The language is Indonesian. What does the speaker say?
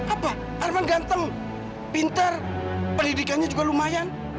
apa arman ganteng pintar pendidikannya juga lumayan